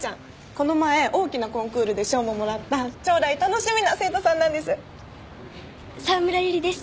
この前大きなコンクールで賞ももらった将来楽しみな生徒さんなんです沢村百合です